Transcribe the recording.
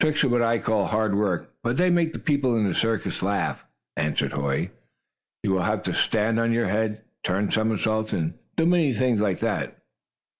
"Tricks are what I call hard work, but they make the people in the circus laugh," answered Hoy. "You will have to stand on your head, turn somersaults and do many things like that."